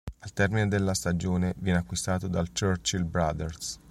Al termine della stagione viene acquistato dal Churchill Brothers.